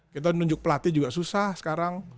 kita nunjuk pelatih juga susah sekarang